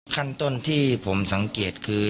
ขั้นต้นที่ผมสังเกตคือ